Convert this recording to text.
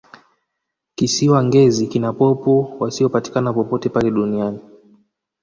kisiwa ngezi kina popo wasiyopatikana popote pale duniani